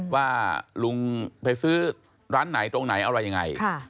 ว่าลุงไปซื้อร้านไหนตรงไหนอะไรยังไง